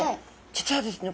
実はですね